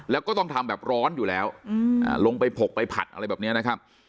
แล้วก็ต้องทำแบบร้อนอยู่แล้วลงไปผกไปผัดอะไรแบบนี้นะครับ